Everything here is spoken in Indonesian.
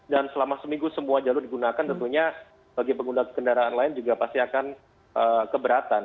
dan selama seminggu semua jalur digunakan tentunya bagi pengguna kendaraan lain juga pasti akan keberatan